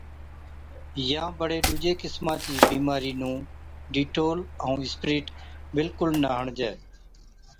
يان بڙي ڏُوجي قِسما چِي بِيمارِي نُون ڊيٽول ائُون اِسپرِيٽ بِلڪُل نہ هڻجَي